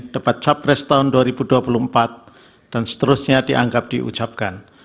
debat capres tahun dua ribu dua puluh empat dan seterusnya dianggap diucapkan